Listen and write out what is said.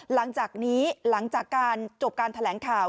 หลังจากนี้หลังจากการจบการแถลงข่าว